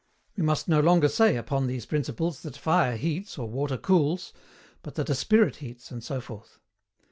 We must no longer say upon these principles that fire heats, or water cools, but that a Spirit heats, and so forth.